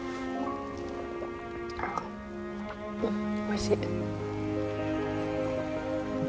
あおいしい。